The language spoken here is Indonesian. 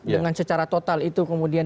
dengan secara total itu kemudian